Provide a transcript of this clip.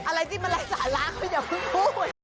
อะไรจริงมันอะไรสาระเขาอยากพูด